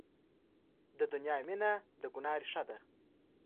د دنیا مینه د ګناه ریښه ده.